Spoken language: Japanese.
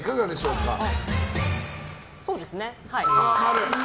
そうですね、はい。